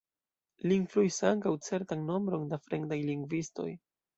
Li influis ankaŭ certan nombron da fremdaj lingvistoj.